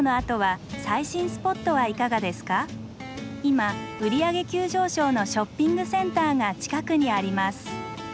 今売り上げ急上昇のショッピングセンターが近くにあります。